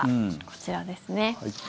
こちらですね。